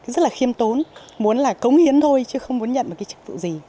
rất là khiêm tốn muốn là cống hiến thôi chứ không muốn nhận một cái chức vụ gì